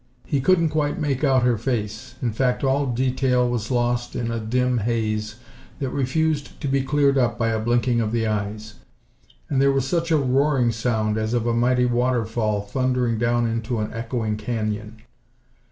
He couldn't quite make out her face, in fact all detail was lost in a dim haze that refused to be cleared up by a blinking of the eyes. And there was such a roaring sound, as of a mighty waterfall thundering down into an echoing canyon.